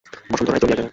বসন্ত রায় চলিয়া গেলেন।